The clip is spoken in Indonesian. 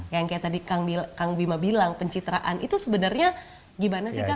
yang kayak tadi kang bima bilang pencitraan itu sebenarnya gimana sih kang